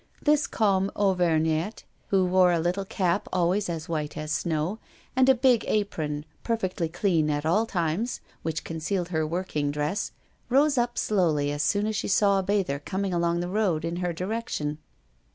This calm Auvergnat, who wore a little cap always as white as snow, and a big apron, perfectly clean at all times, which concealed her working dress, rose up slowly as soon as she saw a bather coming along the road in her direction.